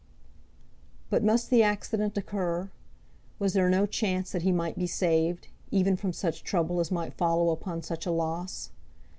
But must the accident occur? Was there no chance that he might be saved, even from such trouble as might follow upon such a loss?